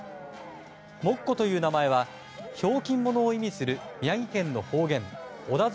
モッコという名前はひょうきん者を意味する宮城県の方言おだづ